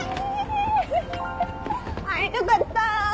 会いたかった！